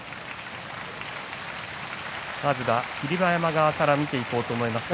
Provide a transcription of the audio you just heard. まずは霧馬山側から見ていこうと思います。